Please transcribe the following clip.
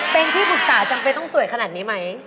เป็นที่ปรึกษาจำเป็นต้องสวยขนาดนี้ไหม